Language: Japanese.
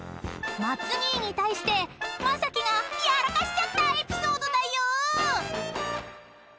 ［松兄に対して雅紀がやらかしちゃったエピソードだよ］